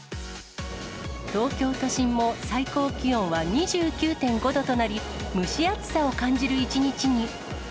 東京都心も最高気温は２９．５度となり、蒸し暑さを感じる一日に。